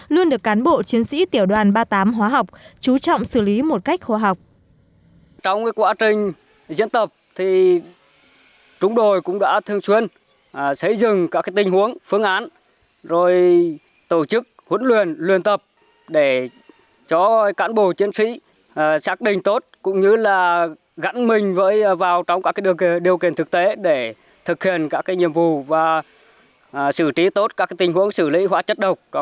luôn được cán bộ chiến sĩ tiểu đoàn ba mươi tám hóa học chú trọng xử lý một cách hóa học